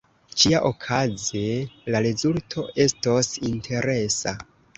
Ĉiaokaze la rezulto estos interesa.